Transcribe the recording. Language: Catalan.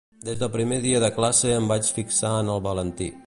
Des del primer dia de classe em vaig fixar en el Valentí.